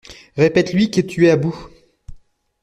Répète-lui que tu es à bout.